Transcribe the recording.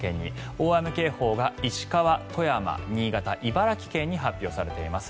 大雨警報が石川、富山、新潟、茨城県に発表されています。